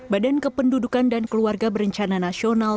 badan kependudukan dan keluarga berencana nasional